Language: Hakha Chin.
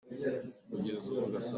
An fapa cu a min ah Isak tiah an sak.